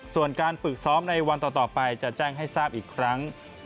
ส่วนการฝึกซ้อมในวันต่อไปจะแจ้งให้ทราบอีกครั้ง